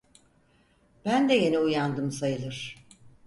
Ben de yeni uyandım sayılır.